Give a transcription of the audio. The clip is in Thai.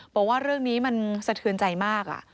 บอกว่าเรื่องนี้มันสะเทือนใจมาก